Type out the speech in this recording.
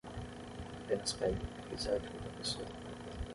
Apenas pegue o que quiser de outra pessoa